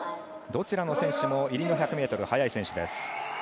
どちらの選手も入りの１００ｍ速い選手です。